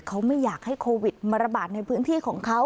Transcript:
เขาไม่อยากให้โควิดมาระบาดในพื้นที่ของเขา